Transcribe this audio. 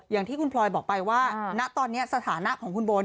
อย่างที่คุณพลอยบอกไปว่าณตอนนี้สถานะของคุณโบ